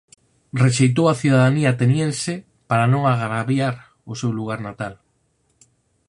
Rexeitou a cidadanía ateniense para non agraviar ao seu lugar natal.